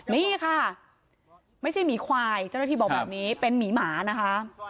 นี่ค่ะไม่ใช่หมีควายเจ้าหน้าที่บอกแบบนี้เป็นหมีหมานะคะ